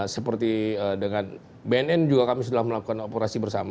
seperti dengan bnn juga kami sudah melakukan operasi bersama